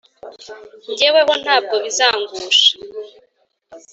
jyeweho ntabwo bizangusha.